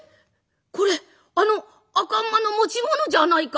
これあの赤馬の持ち物じゃないか。